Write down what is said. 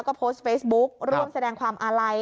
ก็โพสต์เฟซบุ๊กร่วมแสดงความอาลัย